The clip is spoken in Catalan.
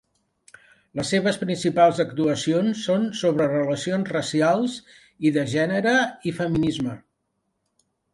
Les seves principals actuacions són sobre relacions racials i de gènere i feminisme.